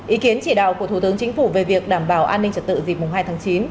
ý kiến chỉ đạo của thủ tướng chính phủ về việc đảm bảo an ninh trật tự dịp hai tháng chín